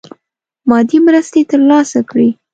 مادي مرستي تر لاسه کړي.